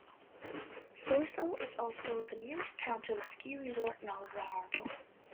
Sorsele is also the nearest town to the ski resort Nalovardo.